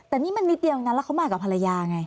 แต่นี่มันนิดเดียวนะแล้วเขามากับภรรยาไง